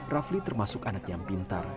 rafli termasuk anak yang pintar